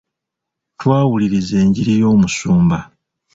Twawulirizza enjiri y'omusumba.